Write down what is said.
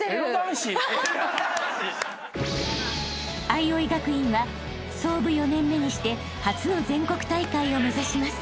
［相生学院は創部４年目にして初の全国大会を目指します］